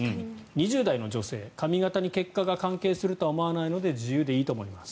２０代の女性髪形に結果が関係するとは思わないので自由でいいと思います。